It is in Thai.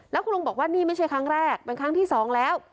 แล้วคุณลุงบอกว่านี่ไม่ใช่ครั้งแรกเป็นครั้งที่สองแล้ว